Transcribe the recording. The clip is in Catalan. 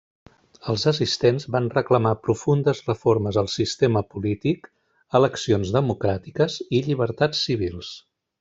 Els assistents van reclamar profundes reformes al sistema polític, eleccions democràtiques i llibertats civils.